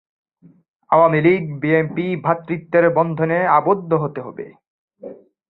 প্রতিটি ছাত্র নোডের আবার একাধিক চাইল্ড নোড আছে।